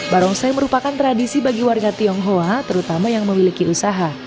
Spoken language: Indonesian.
barongsai merupakan tradisi bagi warga tionghoa terutama yang memiliki usaha